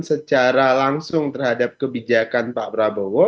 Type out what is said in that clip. secara langsung terhadap kebijakan pak prabowo